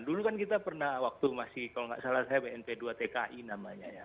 dulu kan kita pernah waktu masih kalau nggak salah saya bnp dua tki namanya ya